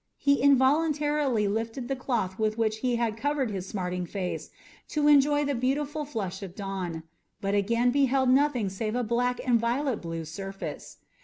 he involuntarily lifted the cloth with which he had covered his smarting face to enjoy the beautiful flush of dawn, but again beheld nothing save a black and violet blue surface.